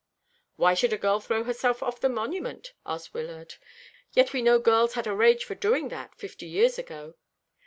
"Why should a girl throw herself off the Monument?" asked Wyllard. "Yet we know girls had a rage for doing that, fifty years ago.